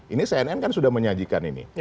ini cnn kan sudah menyajikan ini